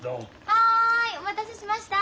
はいお待たせしました。